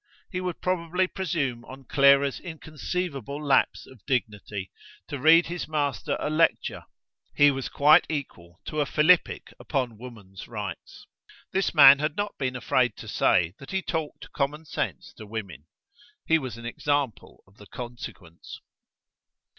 He would probably presume on Clara's inconceivable lapse of dignity to read his master a lecture: he was quite equal to a philippic upon woman's rights. This man had not been afraid to say that he talked common sense to women. He was an example of the consequence!